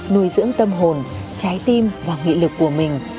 nuôi dưỡng tâm hồn trái tim và nghị lực của mình